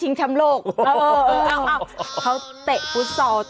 เห็นแก่คุณ